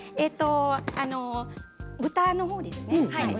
豚のほうですね。